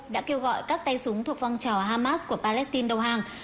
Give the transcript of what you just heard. đã kêu gọi các tay súng thuộc phong trào hamas của palestine đầu hàng